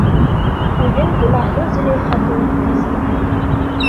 Үҙен гонаһлы Зөләйха кеүек хис итте.